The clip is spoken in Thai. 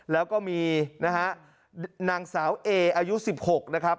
แล้วก็มีนะฮะนางสาวเออายุ๑๖นะครับ